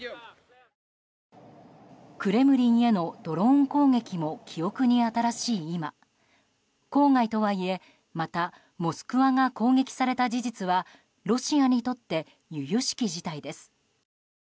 クレムリンへのドローン攻撃も記憶に新しい今郊外とはいえまたモスクワが攻撃された事実はロシアにとって由々しき事態です。